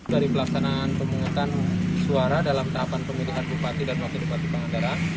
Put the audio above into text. dari pelaksanaan pemungutan suara dalam tahapan pemilihan bupati dan wakil bupati pangandaran